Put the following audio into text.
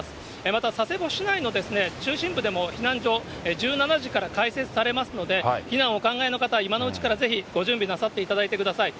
また佐世保市内の中心部でも避難所、１７時から開設されますので、避難をお考えの方、今のうちからぜひご準備なさっていただいてください。